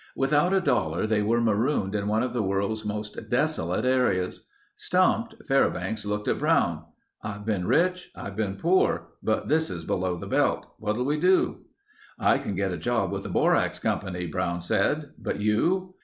Without a dollar they were marooned in one of the world's most desolate areas. Stumped, Fairbanks looked at Brown. "I've been rich. I've been poor. But this is below the belt. What'll we do?" "I can get a job with the Borax Company," Brown said. "But you?"